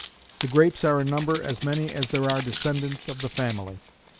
The grapes are in number as many as there are descendants of the family.